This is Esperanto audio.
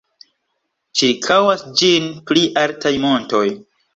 Ĉirkaŭas ĝin pli altaj montoj.